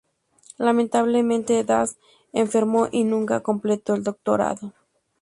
Lamentablemente, Das enfermó y nunca completó el doctorado.